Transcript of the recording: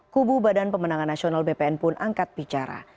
kubu badan pemenangan nasional bpn pun angkat bicara